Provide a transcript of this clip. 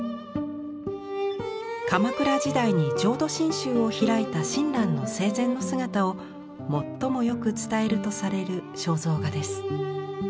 鎌倉時代に浄土真宗を開いた親鸞の生前の姿を最もよく伝えるとされる肖像画です。